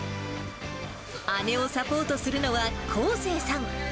姉をサポートするのはこうせいさん。